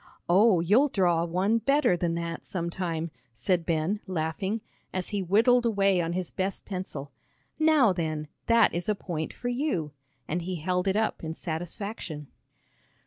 "Oh, you'll draw one better than that, sometime," said Ben, laughing, as he whittled away on his best pencil. "Now then, that is a point for you," and he held it up in satisfaction.